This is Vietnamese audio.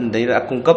đã cung cấp